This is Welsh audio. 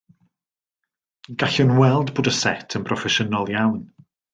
Gallwn weld bod y set yn broffesiynol iawn